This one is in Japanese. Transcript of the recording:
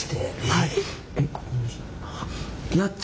はい。